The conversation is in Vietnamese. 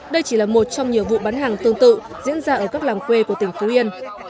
đây chỉ là một trong nhiều vụ bán hàng tương tự diễn ra ở các làng quê của tỉnh phú yên